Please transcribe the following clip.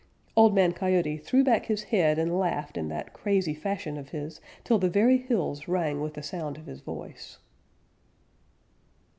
Old Man Coyote threw back his head and laughed in that crazy fashion of his till the very hills rang with the sound of his voice.